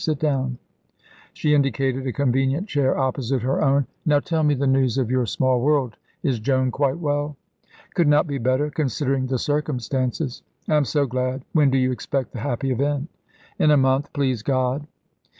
Sit down"; she indicated a convenient chair opposite her own. "Now tell me the news of your small world. Is Joan quite well?" "Could not be better, considering the circumstances." "I am so glad; when do you expect the happy event?" "In a month, please God."